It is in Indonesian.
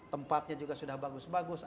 tempatnya juga sudah bagus bagus